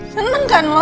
seneng kan lo